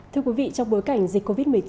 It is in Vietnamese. thưa quý vị trong bối cảnh dịch covid một mươi chín